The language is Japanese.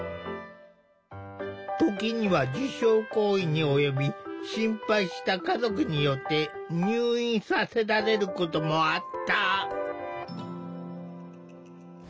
時には自傷行為に及び心配した家族によって入院させられることもあった。